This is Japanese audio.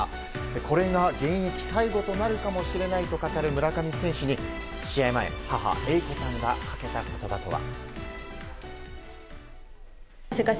これが現役最後となるかもしれないと語る村上選手に試合前母・英子さんがかけた言葉とは。